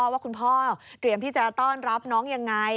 ว่าคุณพ่อเตรียมที่จะต้อนรับน้องยังไง